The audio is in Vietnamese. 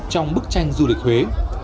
trong bức tranh du lịch huế